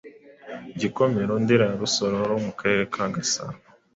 Gikomero, Ndera na Rusororo yo mu Karere ka Gasabo,